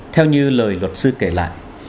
theo như lời luật sư kể lại